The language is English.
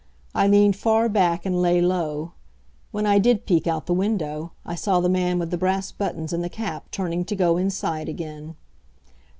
I leaned far back and lay low. When I did peek out the window, I saw the man with the brass buttons and the cap turning to go inside again.